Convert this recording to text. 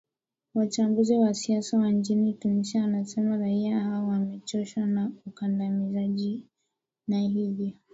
wachambuzi wa siasa wa nchini tunisia wanasema raia hao wamechoshwa na ukandamizaji na hivyo